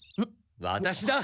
ワタシだ。